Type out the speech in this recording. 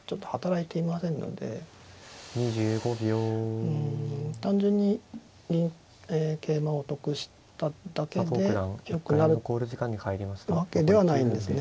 うん単純に桂馬を得しただけでよくなるわけではないんですね。